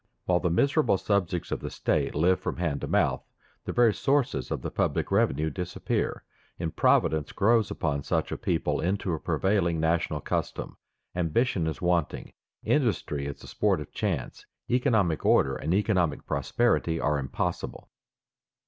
While the miserable subjects of the state live from hand to mouth, the very sources of the public revenue disappear. Improvidence grows upon such a people into a prevailing national custom; ambition is wanting; industry is the sport of chance; economic order and economic prosperity are impossible.